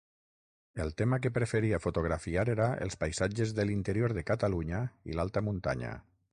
El tema que preferia fotografiar era els paisatges de l'interior de Catalunya i l'alta muntanya.